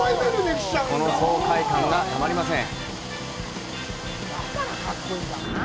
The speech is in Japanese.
この爽快感がたまりません！